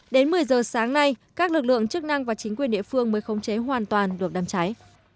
đến một mươi giờ sáng nay các lực lượng chức năng và chính quyền địa phương mới khống chế hoàn toàn được đám cháy